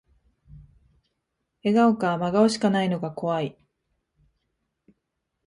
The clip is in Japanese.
笑顔か真顔しかないのが怖い